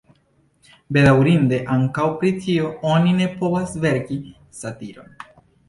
Bedaŭrinde ankaŭ pri tio oni ne povas verki satiron.